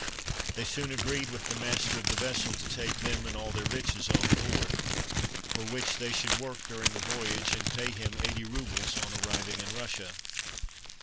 They soon agreed with the master of the vessel to take them and all their riches on board, for which they should work during the voyage, and pay him eighty rubles on arriving in Russia.